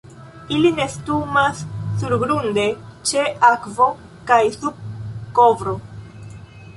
Ili nestumas surgrunde, ĉe akvo kaj sub kovro.